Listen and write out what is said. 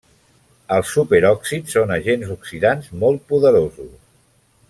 Els superòxids són agents oxidants molt poderosos.